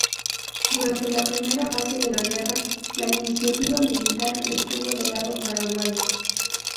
Durante la primera fase de la guerra la iniciativa militar estuvo del lado paraguayo.